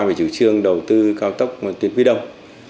về chủ trương đầu tư cao tốc tuyến quy đông